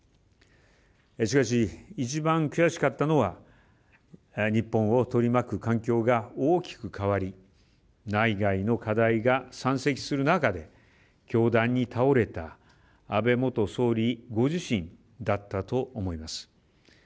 しかし、いちばん悔しかったのは日本を取り巻く環境が大きく変わり内外の課題が山積する中で凶弾に倒れた安倍元総理ご自身だったと思います。